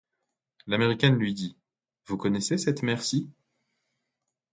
L’américain lui dit: — Vous connaissez cette mer-ci?